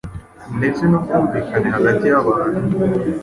ndetse n’ ubwumvikane hagati yabantu.